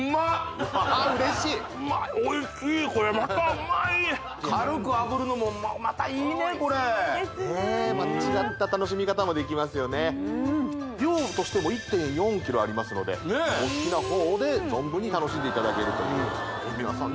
これおいしいですねまた違った楽しみ方もできますよね量としても１．４ｋｇありますのでねえお好きな方で存分に楽しんでいただけるという皆さん